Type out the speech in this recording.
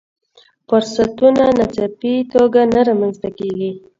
فرصتونه ناڅاپي توګه نه رامنځته کېږي.